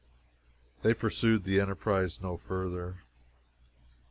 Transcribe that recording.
They pursued the enterprise no further.